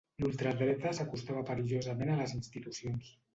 L'ultra dreta s'acostava perillosament a les institucions